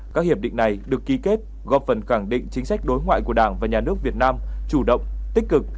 các hiệp định này được ký kết góp phần khẳng định chính sách đối ngoại của đảng và nhà nước việt nam chủ động tích cực